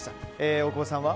大久保さんは？